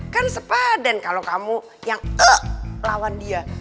kan sepadan kalau kamu yang lawan dia